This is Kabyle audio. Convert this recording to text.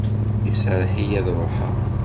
Iserreḥ-iyi ad ruḥeɣ.